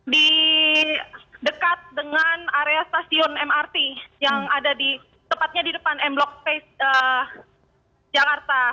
di dekat dengan area stasiun mrt yang ada di tepatnya di depan m block space jakarta